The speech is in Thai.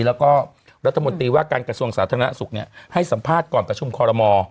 แล้วก็รัฐมนตรีว่าการกระทรวงสาธารณสุขให้สัมภาษณ์ก่อนประชุมคอรมอ